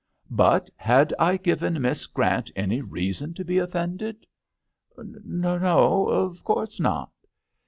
" But had I given Miss Grant any reason to be offended ?"" No, of course not."